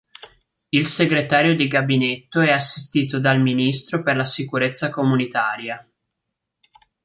Il Segretario di gabinetto è assistito dal Ministro per la sicurezza comunitaria.